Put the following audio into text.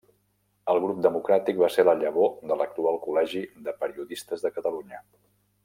El Grup Democràtic va ser la llavor de l'actual Col·legi de Periodistes de Catalunya.